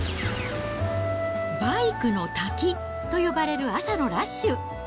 バイクの滝と呼ばれる朝のラッシュ。